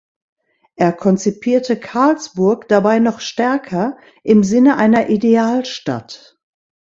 Er konzipierte Carlsburg dabei noch stärker im Sinne einer Idealstadt.